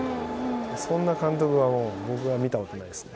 そんな監督僕は見たことないですね。